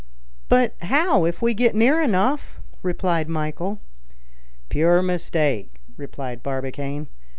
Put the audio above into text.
"But how if we get near enough?" replied Michel. "Pure mistake," replied Barbicane.